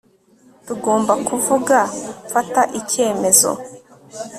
Tugomba kuvuga mfata icyemezo